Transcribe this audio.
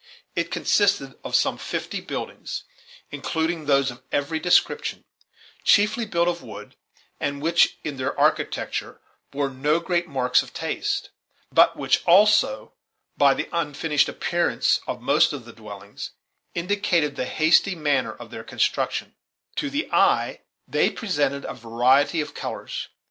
It consisted of some fifty buildings, including those of every description, chiefly built of wood, and which, in their architecture, bore no great marks of taste, but which also, by the unfinished appearance of most of the dwellings, indicated the hasty manner of their construction, To the eye, they presented a variety of colors.